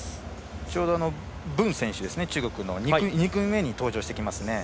ちょうど文選手、中国の２組目に登場してきますね。